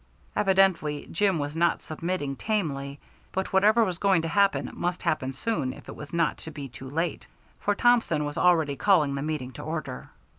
_" Evidently Jim was not submitting tamely, but whatever was going to happen must happen soon if it was not to be too late, for Thompson was already calling the meeting to order.